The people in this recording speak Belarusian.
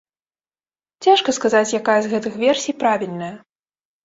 Цяжка сказаць, якая з гэтых версія правільная.